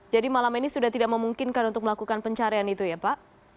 malam ini sudah tidak memungkinkan untuk melakukan pencarian itu ya pak